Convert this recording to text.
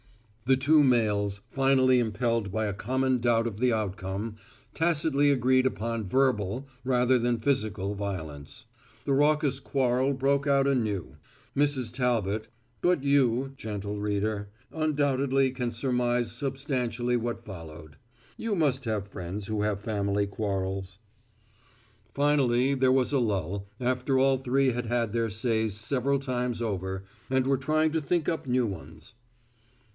The two males, finally impelled by a common doubt of the outcome, tacitly agreed upon verbal rather than physical violence. The raucous quarrel broke out anew. Mrs. Talbot but you, gentle reader, undoubtedly can surmise substantially what followed. You must have friends who have family quarrels. Finally there was a lull, after all three had had their says several times over, and were trying to think up new ones.